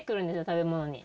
食べ物に。